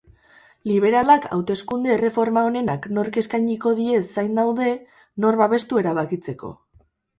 Liberalak hauteskunde erreforma onena nork eskainiko die zain daude, nor babestu erabakitzeko.